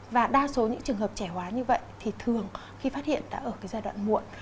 và đa số những trường hợp trẻ hóa như vậy thì thường khi phát hiện đã ở giai đoạn muộn